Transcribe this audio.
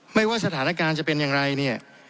ว่าสถานการณ์จะเป็นอย่างไรเนี่ย